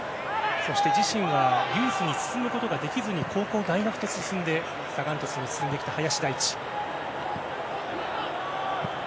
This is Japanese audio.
そして自身はユースに進むことができずに高校、大学と進んでサガン鳥栖に進んできた林大地。